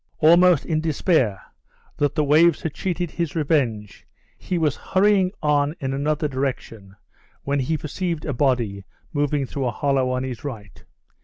Almost in despair that the waves had cheated his revenge, he was hurrying on in another direction, when he perceived a body moving through a hollow on his right.